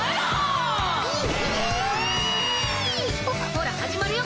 ほら始まるよ